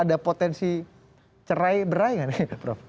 anda melihat mengintip ada potensi cerai berai kan ya prof